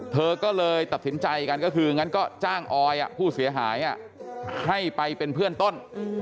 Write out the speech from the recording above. เธอก็เลยตัดสินใจกันก็คืองั้นก็จ้างออยผู้เสียหายให้ไปเป็นเพื่อนต้น